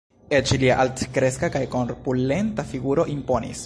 Eĉ lia altkreska kaj korpulenta figuro imponis.